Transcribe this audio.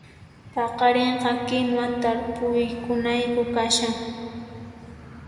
Paqarinqa kinuwa tarpunayku kashan